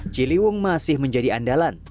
ciliwung masih menjadi andalan